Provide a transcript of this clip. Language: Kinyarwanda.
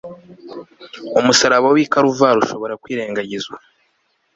umusaraba wi Kaluvari ushobora kwirengagizwa